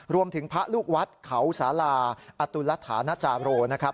รวมถึงพระลูกวัดเขาสาลาอตุลัทธานจาโรนะครับ